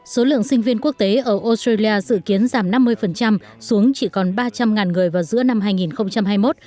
số lượng sinh viên quốc tế ở australia dự kiến giảm năm mươi xuống chỉ còn ba trăm linh người vào giữa năm hai nghìn hai mươi một